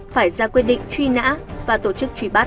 phải ra quyết định truy nã và tổ chức truy bắt